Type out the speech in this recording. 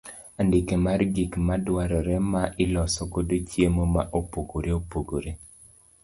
Andike mar gik ma dwarore ma iloso godo chiemo ma opogore opogore.